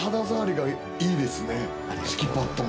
敷きパッドも。